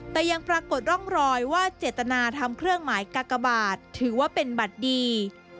แต่ยังปรากฏร่องรอยว่าเจตนาทำเครื่องหมายกากบาทถือว่าเป็นบัตรดี